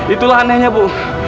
itulah anehnya bu